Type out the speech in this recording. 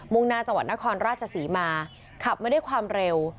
่งหน้าจังหวัดนครราชศรีมาขับมาด้วยความเร็ว